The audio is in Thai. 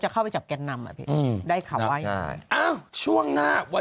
เข้าไปจับแกนนำอ่ะพี่อืมได้ข่าวว่ายังไงอ้าวช่วงหน้าวัน